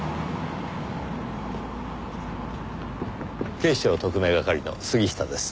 警視庁特命係の杉下です。